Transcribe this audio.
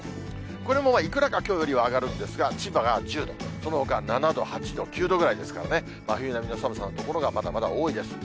これもいくらかきょうよりは上がるんですが、千葉が１０度、そのほかは７度、８度、９度ぐらいですからね、真冬並みの寒さの所がまだまだ多いです。